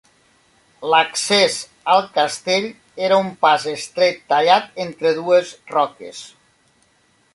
L'accés al castell era un pas estret tallat entre dues roques.